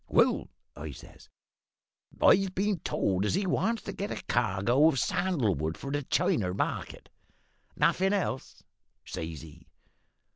"`Well,' I says, `I've been told as he wants to get a cargo of sandal wood for the China market.' "`Nothin' else?' says he.